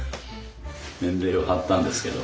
年齢を貼ったんですけど。